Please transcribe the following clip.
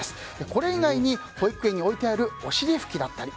これ以外に保育園に置いてあるおしり拭きだったり